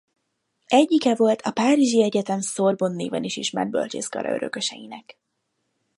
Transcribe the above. Egyike volt a Párizsi Egyetem Sorbonne néven is ismert bölcsészkara örököseinek.